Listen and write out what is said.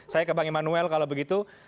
saya ke bang immanuel kalau begitu